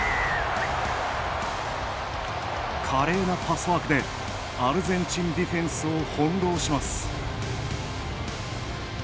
華麗なパスワークでアルゼンチンディフェンスを翻弄します。